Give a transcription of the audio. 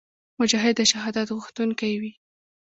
مجاهد د شهادت غوښتونکی وي.